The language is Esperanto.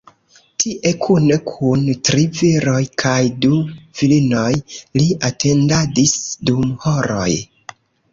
Tie, kune kun tri viroj kaj du virinoj, li atendadis dum horoj.